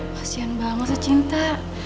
masih yang bangga sih cinta